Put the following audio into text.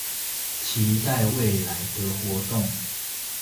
期待未來的活動